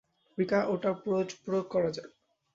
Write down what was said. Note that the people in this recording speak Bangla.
রিকা, ওটার প্রয়োগ করা যাক।